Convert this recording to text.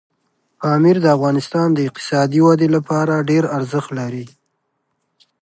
پامیر د افغانستان د اقتصادي ودې لپاره ډېر ارزښت لري.